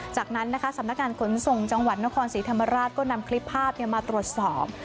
จากนั้นนะคะสำนักงานขนส่งจังหวัดนครศรีธรรมราชก็นำคลิปภาพมาตรวจสอบ